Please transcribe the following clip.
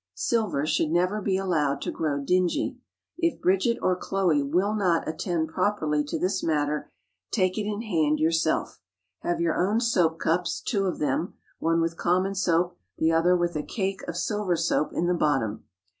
Silver should never be allowed to grow dingy. If Bridget or Chloe will not attend properly to this matter, take it in hand yourself. Have your own soap cups—two of them—one with common soap, the other with a cake of silver soap in the bottom.